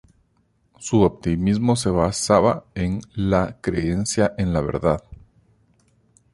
Su optimismo se basaba en la "creencia en la verdad".